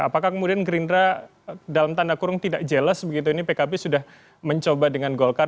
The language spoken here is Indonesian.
apakah kemudian gerindra dalam tanda kurung tidak jelas begitu ini pkb sudah mencoba dengan golkar